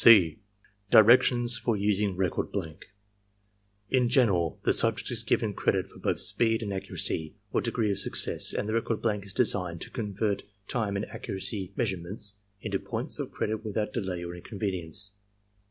(c) DIRECTIONS FOR USING RECORD BLANK In general, the subject is given credit for both speed and accuracy or degree of success; and the record blank is designed 124 ARMY MENTAL TESTS to convert time and accuracy measurements into points of credit without delay or inconvenience.